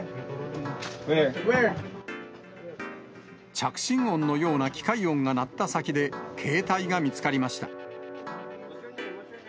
着信音のような機械音が鳴った先で、携帯が見つかりました。